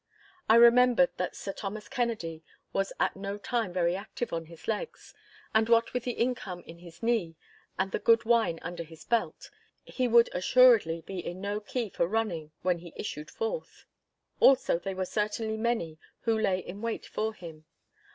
I remembered that Sir Thomas Kennedy was at no time very active on his legs, and what with the income in his knee and the good wine under his belt, he would assuredly be in no key for running when he issued forth. Also they were certainly many who lay in wait for him.